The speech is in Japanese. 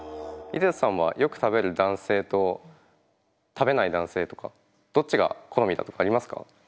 出田さんはよく食べる男性と食べない男性とかどっちが好みだとかありますか？